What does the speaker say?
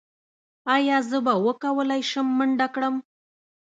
ایا زه به وکولی شم منډه کړم؟